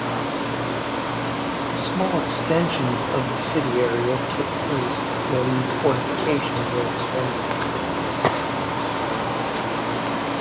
Small extensions of the city area took place when the fortifications were extended.